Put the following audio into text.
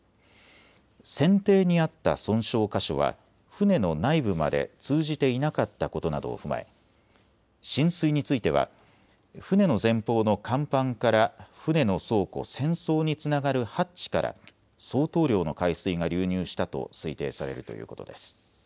船底にあった損傷箇所は船の内部まで通じていなかったことなどを踏まえ浸水については船の前方の甲板から船の倉庫・船倉につながるハッチから相当量の海水が流入したと推定されるということです。